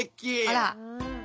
あら。